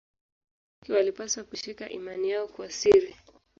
Waliobaki walipaswa kushika imani yao kwa siri.